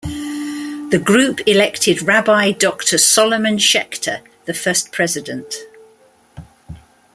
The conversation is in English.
The group elected Rabbi Doctor Solomon Schechter the first president.